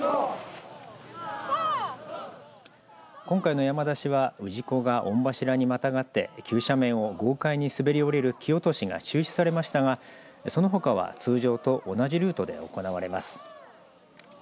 今回の山出しは氏子が御柱にまたがって急斜面を豪快に滑りおりる木落しが中止されましたがそのほかは通常と同じルートで行われます。